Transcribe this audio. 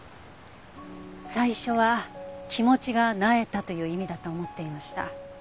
最初は「気持ちがなえた」という意味だと思っていました。